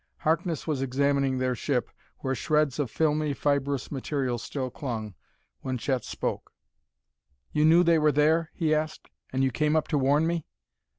Harkness was examining their ship, where shreds of filmy, fibrous material still clung, when Chet spoke. "You knew they were there?" he asked, " and you came up to warn me?"